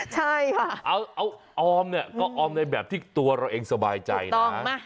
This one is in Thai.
ใช่ค่ะเอาออมเนี่ยก็ออมในแบบที่ตัวเราเองสบายใจนะ